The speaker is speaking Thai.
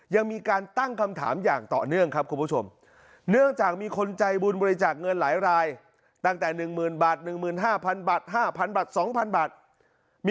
ยังมีการตั้งคำถามอย่างตอเนื่องครับคุณผู้ชม